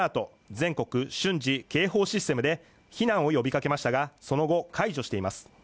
全国瞬時警報システムで避難を呼びかけましたがその後解除しています